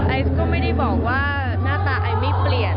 ไอซ์ก็ไม่ได้บอกว่าหน้าตาไอไม่เปลี่ยน